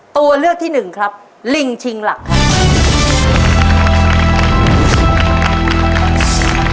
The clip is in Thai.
ตัวเลือกที่หนึ่งครับลิงชิงหลักครับ